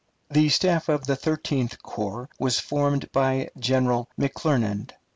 The staff of the Thirteenth Corps was formed by General McClernand.